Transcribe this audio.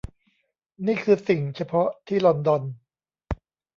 นี่คือสิ่งเฉพาะที่ลอนดอน